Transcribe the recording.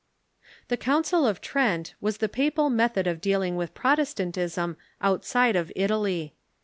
The Council of Trent was the papal method of dealing with Protestantism outside of Italy.